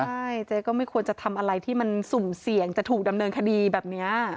ใช่เจ๊ก็ไม่ควรจะทำอะไรที่มันสุ่มเสี่ยงจะถูกดำเนินคดีแบบนี้